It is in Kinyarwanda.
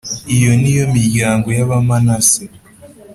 Iyo ni yo miryango y Abamanase